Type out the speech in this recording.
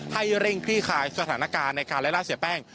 ให้เร่งคลี่คายสถานการณ์ในการไล่ล่าเสียแป้ง